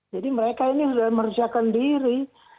mereka ini sudah merusakan diri